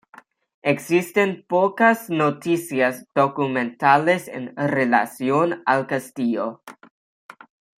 Existen pocas noticias documentales en relación al castillo.